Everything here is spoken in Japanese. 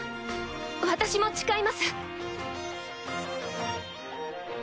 私も誓います！